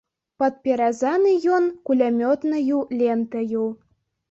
Падпяразаны ён кулямётнаю лентаю.